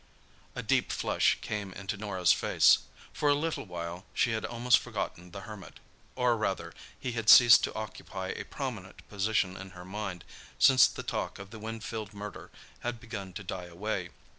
A deep flush came into Norah's face. For a little while she had almost forgotten the Hermit—or, rather, he had ceased to occupy a prominent position in her mind, since the talk of the Winfield murder had begun to die away.